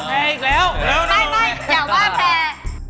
ไม่อยากว่าแพ้